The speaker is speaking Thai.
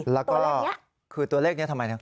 แล้วก็คือตัวเลขนี้ทำไมนะ